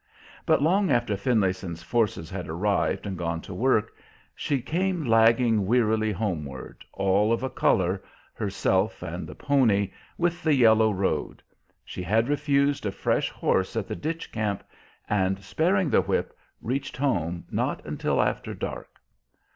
But long after Finlayson's forces had arrived and gone to work, she came lagging wearily homeward, all of a color, herself and the pony, with the yellow road. She had refused a fresh horse at the ditch camp, and, sparing the whip, reached home not until after dark.